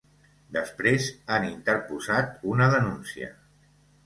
Després, han interposat una denúncia.